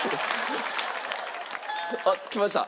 あっきました。